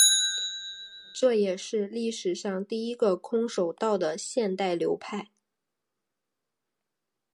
这也是历史上第一个空手道的现代流派。